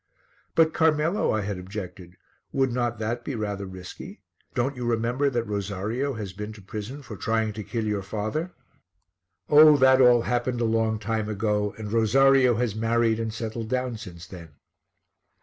"But, Carmelo," I had objected, "would not that be rather risky? Don't you remember that Rosario has been to prison for trying to kill your father?" "Oh, that all happened a long time ago and Rosario has married and settled down since then."